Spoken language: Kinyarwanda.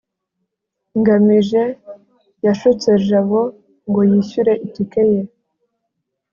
ngamije yashutse jabo ngo yishyure itike ye